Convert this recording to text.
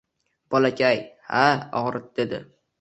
Bolakay, ha, ogʻritdi dedi.